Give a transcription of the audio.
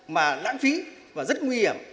mà lãng phí và rất nguy hiểm